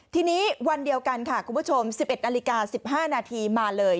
ทีนี้วันเดียวกันค่ะคุณผู้ชม๑๑นาฬิกา๑๕นาทีมาเลย